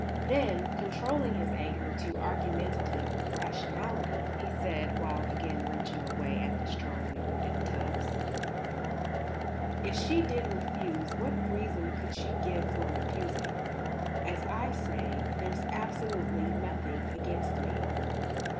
Then, controlling his anger to argumentative rationality, he said, while again wrenching away at the strongly rooted tufts: "If she did refuse, what reason could she give for refusing? As I say, there's absolutely nothing against me."